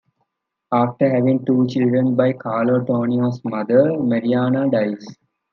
After having two children by Carlo, Tonio's mother, Marianna, dies.